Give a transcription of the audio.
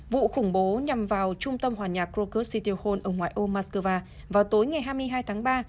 vụ khủng bố nhằm vào trung tâm hoàn nhạc krokus sitihol ở ngoài ô mắc cơ va vào tối ngày hai mươi hai tháng ba